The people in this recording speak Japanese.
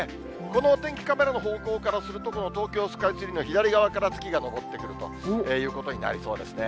このお天気カメラの方向からすると、この東京スカイツリーの左側から月が昇ってくるということになりそうですね。